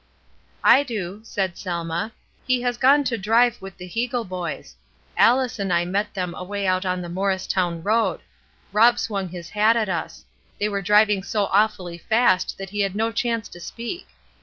"I do/' said Selma; ''he has gone to drive with the Heagle boys. Alice and I met them away out on the Morristown road; Rob swxmg his hat at us ; they were driving so awfully fast that he had no chance to speak.